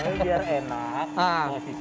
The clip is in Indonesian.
ini biar enak